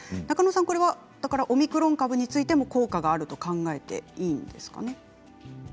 中野さん、これはオミクロン株についても効果があると考えていいんですかね。